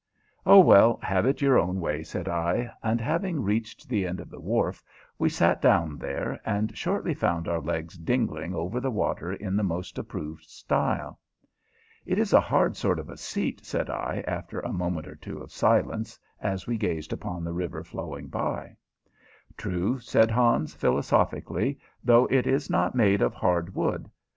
"Oh, well, have it your own way," said I; and, having reached the end of the wharf, we sat down there, and shortly found our legs "dingling" over the water in the most approved style. "It is a hard sort of a seat," said I, after a moment or two of silence, as we gazed upon the river flowing by. "True," said Hans, philosophically, "though it is not made of hard wood.